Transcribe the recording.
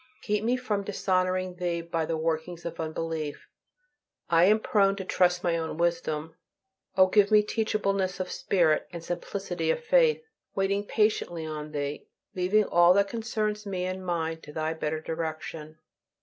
Keep me from dishonoring Thee by the workings of unbelief; I am prone to trust my own wisdom, O give me teachableness of spirit and simplicity of faith, waiting patiently on Thee; leaving all that concerns me and mine to Thy better direction.